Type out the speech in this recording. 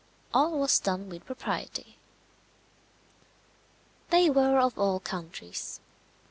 All was done with propriety. They were of all countries.